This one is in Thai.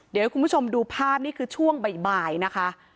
เดี๋ยวให้คุณผู้ชมดูภาพนี่คือช่วงบ่ายนะคะ